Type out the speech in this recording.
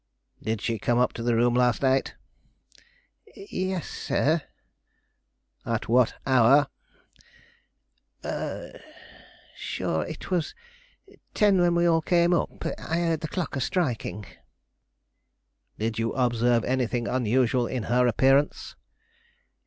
"Did she come up to the room last night?" "Yes, sir." "At what hour?" "Shure, it was ten when we all came up. I heard the clock a striking." "Did you observe anything unusual in her appearance?"